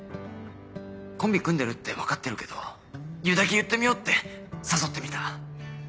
コンビ組んでるって分かってるけど言うだけ言ってみようって誘ってみた。